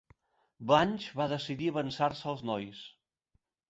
Blanche va decidir avançar-se als nois.